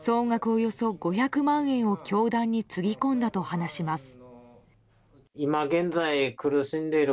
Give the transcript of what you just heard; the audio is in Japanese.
およそ５００万円を教団につぎ込んだと話します。